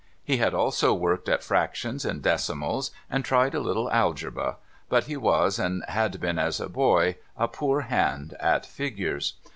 He had also worked at fractions and decimals, and tried a little algebra ; but he was, and had been as a boy, a poor hand at figures.